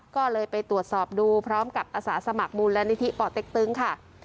ก็เลยไปตรวจสอบดูพร้อมกับอาสาสมัครมูลนิธิป่อเต็กตึงค่ะ